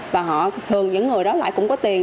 và họ thường những người đó lại cũng có tiền